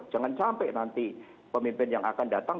jangan sampai nanti pemimpin yang akan datang